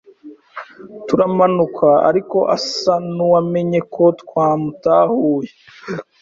Turamanukana, ariko asa nuwamenye ko twamutahuye